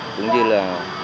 cũng như là